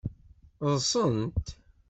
Ḍḍsent.